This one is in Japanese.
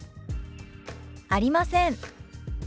「ありません」。